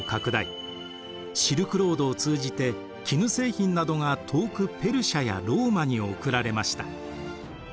シルクロードを通じて絹製品などが遠くペルシャやローマに送られました。